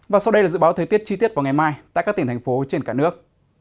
và sau đây là dự báo thời tiết chi tiết vào ngày mai tại các tỉnh thành phố trên cả nước